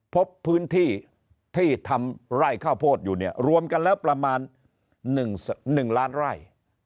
พบพื้นที่ที่ทำไร่ข้าวโพดอยู่เนี่ยรวมกันแล้วประมาณ๑ล้านไร่